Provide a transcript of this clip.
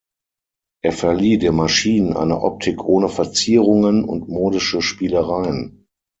Er verlieh den Maschinen eine Optik ohne Verzierungen und modische Spielereien.